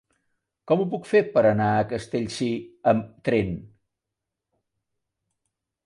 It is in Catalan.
Com ho puc fer per anar a Castellcir amb tren?